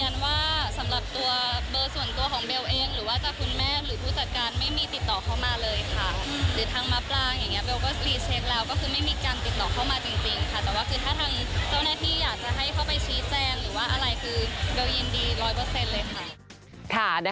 แต่ว่าคือถ้าทางเจ้าหน้าที่อยากจะให้เข้าไปชี้แจงหรือว่าอะไรคือเบลยินดีร้อยเปอร์เซ็นต์เลยค่ะ